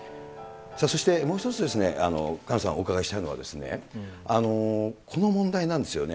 そしてもう一つ、萱野さん、お伺いしたいのは、この問題なんですよね。